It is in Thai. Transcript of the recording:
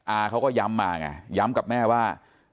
อาเขาก็ย้ำมาไงย้ำกับแม่ว่า